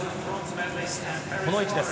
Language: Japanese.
この位置です。